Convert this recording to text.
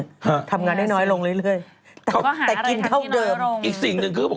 เออมีคนถามรายการก่อนพี่ม้าหายไปไหนกันคะยังอยู่